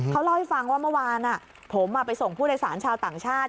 เขาเล่าให้ฟังว่าเมื่อวานผมไปส่งผู้โดยสารชาวต่างชาติ